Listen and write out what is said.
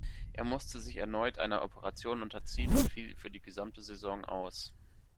Er musste sich erneut einer Operation unterziehen und fiel für die gesamte Saison aus.